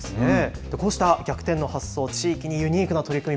こうした逆転の発想、地域にユニークな取り組み